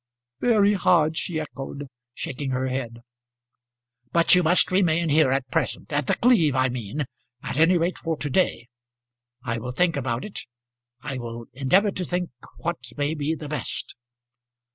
"Very hard," she echoed, shaking her head. "But you must remain here at present; at The Cleeve I mean; at any rate for to day. I will think about it. I will endeavour to think what may be the best."